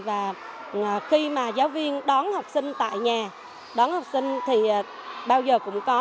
và khi mà giáo viên đón học sinh tại nhà đón học sinh thì bao giờ cũng có